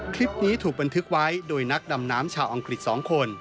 คลิปนี้ถูกบันทึกไว้โดยนักดำน้ำชาวอังกฤษ๒คน